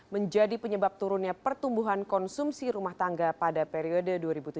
menjadi penyebab turunnya pertumbuhan konsumsi rumah tangga pada periode dua ribu tujuh belas